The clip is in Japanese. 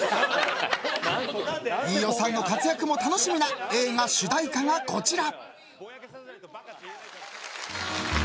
飯尾さんの活躍も楽しみな映画主題歌がこちら。